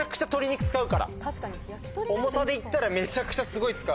重さでいったらめちゃくちゃすごい使うもん。